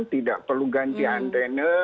tidak perlu ganti antene